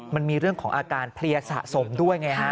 มันมีเรื่องของอาการเพลียสะสมด้วยไงฮะ